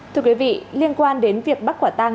thưa quý vị liên quan đến việc bắt quả tang